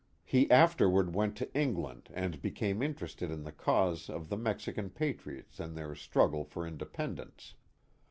He afterward went to England and became in terested in the cause of the Mexican patriots in their struggle for independence.